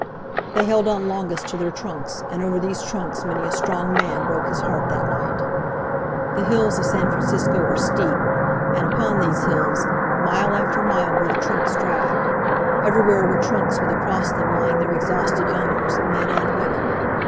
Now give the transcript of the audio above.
They held on longest to their trunks, and over these trunks many a strong man broke his heart that night. The hills of San Francisco are steep, and up these hills, mile after mile, were the trunks dragged. Everywhere were trunks with across them lying their exhausted owners, men and women.